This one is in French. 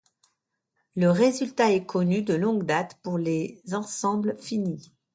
Le résultat est connu de longue date pour les ensembles finis.